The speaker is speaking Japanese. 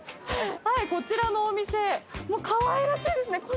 こちらのお店かわいらしいですね。